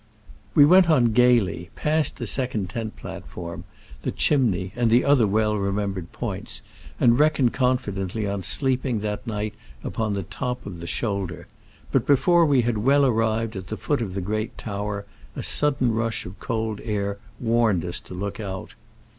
We went on gayly, passed the sec ond tent platform, the Chimney and the other well remembered points, and reckoned confidently on sleeping that night upon the top of "the shoulder;" but before we had well arrived at the foot of the Great Tower, a sudden rush of cold air warned us to look out.